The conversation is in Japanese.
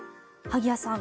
萩谷さん